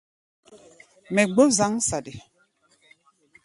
Mɛ gbó zǎŋ saɗi.